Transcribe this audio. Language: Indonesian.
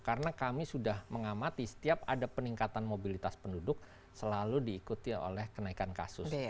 karena kami sudah mengamati setiap ada peningkatan mobilitas penduduk selalu diikuti oleh kenaikan kasus